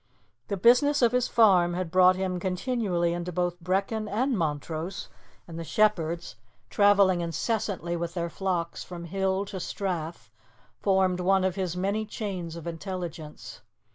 The business of his farm had brought him continually into both Brechin and Montrose, and the shepherds, travelling incessantly with their flocks from hill to strath, formed one of his many chains of intelligence.